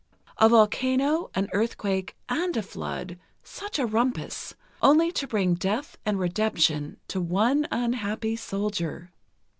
A volcano, an earthquake and a flood—such a rumpus, only to bring death and redemption to one unhappy soldier!